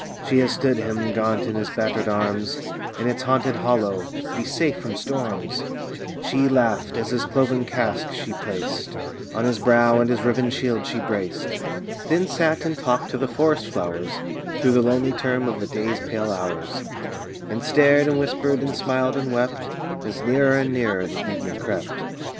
She has stood him, gaunt in his battered arms, In its haunted hollow. "Be safe from storms," She laughed as his cloven casque she placed On his brow, and his riven shield she braced. Then sat and talked to the forest flowers Through the lonely term of the day's pale hours. And stared and whispered and smiled and wept, As nearer and nearer the evening crept.